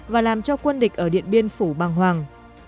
và làm cho quân địch ở điện biên phủ băng hoàng